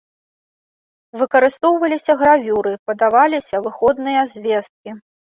Выкарыстоўваліся гравюры, падаваліся выходныя звесткі.